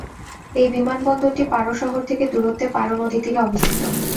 এই বিমানবন্দরটি পারো শহর থেকে দূরত্বে পারো নদীর তীরে অবস্থিত।